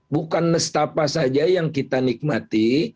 bukan nestapa saja yang kita nikmati